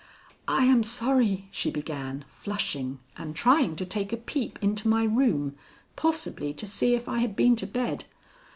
"I am sorry," she began, flushing and trying to take a peep into my room, possibly to see if I had been to bed.